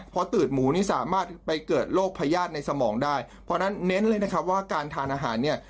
พอตืดหมูนี่สามารถไปเกิดโรคพญาติในสมองได้เพราะฉะนั้นเน้นเลยนะครับว่าการทานอาหารเนี่ย